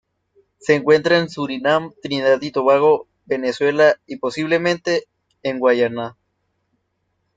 Se encuentra en Surinam, Trinidad y Tobago, Venezuela y, posiblemente, en Guayana.